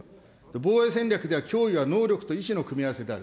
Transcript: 防衛戦略では脅威は能力と意思の組み合わせである。